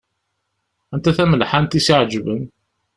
Anta tamelḥant i s-iɛeǧben?